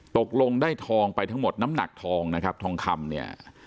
ตกลงได้ทองไปทั้งหมดน้ำหนักทองนะครับทองคำเนี่ย